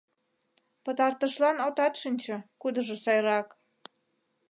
Пытартышлан отат шинче, кудыжо сайрак.